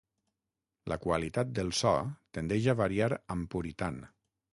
La qualitat del so tendeix a variar amb Puritan.